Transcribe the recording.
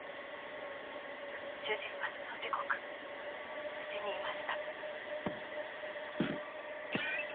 主人はその時刻うちにいました。